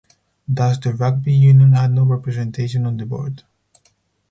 Thus the rugby union had no representation on the board.